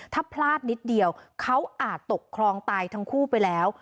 ถ้าพลาดนิดเดียวเขาอาจตกคลองตายทั้งคู่ไปแล้ว